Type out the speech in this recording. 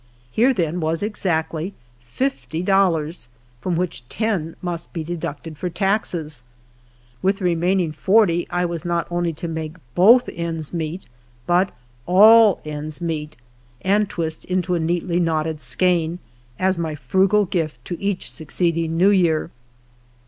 Here, then, was exactly fifty dollars, from which ten must l)e deducted for taxes. With the remainiui^ forty I was not only to make " hotl* ends meet," Init all ends meet, and twist into a neatly knotted skein, as my frugal gift to each succeeding New Year.